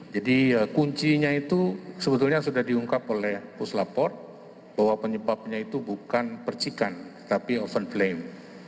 jadi kuncinya itu sebetulnya sudah diungkap oleh puslapor bahwa penyebabnya itu bukan percikan tapi oven flame